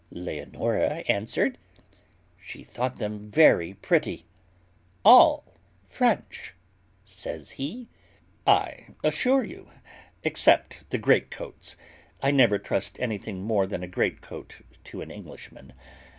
Leonora answered, "She thought them very pretty." "All French," says he, "I assure you, except the greatcoats; I never trust anything more than a greatcoat to an Englishman.